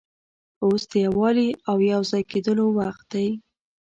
اوس د یووالي او یو ځای کېدلو وخت دی.